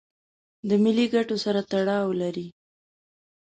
د ملي ګټو سره تړاو لري.